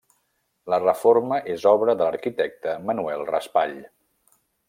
La reforma és obra de l'arquitecte Manuel Raspall.